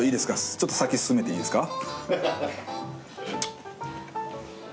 ちょっと先進めていいですか？